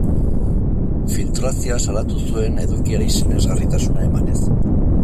Filtrazioa salatu zuen, edukiari sinesgarritasuna emanez.